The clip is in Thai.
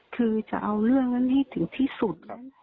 คือจะเอาเรื่องนั้นให้ถึงที่สุด